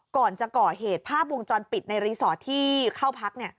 ก่อนจะก่อเหตุภาพวงจรปิดในรีสอร์ทที่เข้าพัก